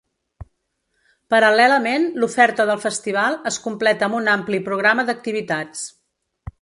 Paral·lelament, l’oferta del festival es completa amb un ampli programa d’activitats.